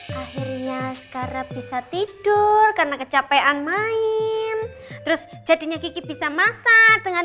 hai akhirnya sekarang bisa tidur karena kecapean main terus jadinya kiki bisa masak dengan